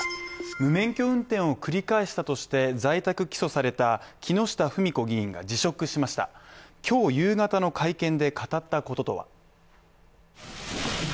無免許運転を繰り返したとして在宅起訴された木下富美子議員が辞職しました今日夕方の会見で語ったこととは。